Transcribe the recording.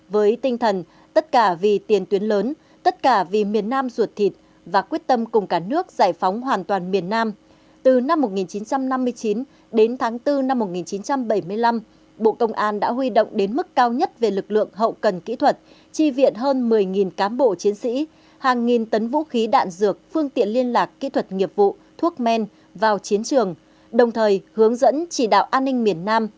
với tinh thần tất cả vì tiền tuyến lớn tất cả vì miền nam ruột thịt và quyết tâm cùng cả nước giải phóng hoàn toàn miền nam từ năm một nghìn chín trăm năm mươi chín đến tháng bốn năm một nghìn chín trăm bảy mươi năm bộ công an đã huy động đến mức cao nhất về lực lượng hậu cần kỹ thuật chi viện hơn một mươi cám bộ chiến sĩ hàng nghìn tấn vũ khí đạn dược phương tiện liên lạc kỹ thuật nghiệp vụ thuốc men vào chiến trường đồng thời hướng dẫn chỉ đạo an ninh miền nam